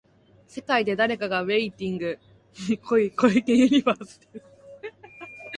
世界で誰かがウェイティング、小池ユニバースです。